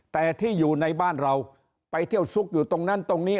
แต่ที่อยู่ในบ้านเราไปเที่ยวซุกอยู่ตรงนั้นตรงนี้